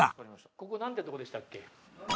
ここなんてとこでしたっけ？